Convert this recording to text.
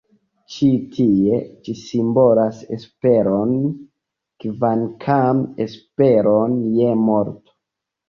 Ĉi tie ĝi simbolas esperon, kvankam esperon je morto.